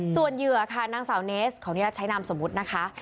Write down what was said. ส่วนเหยื่อค่ะนางสาวเนสของยาชัยนามสมมุตินะคะครับ